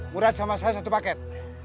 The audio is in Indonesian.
murat sama saya satu paket